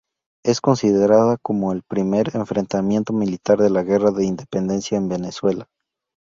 Es considerada como el primer enfrentamiento militar de la Guerra de Independencia de Venezuela.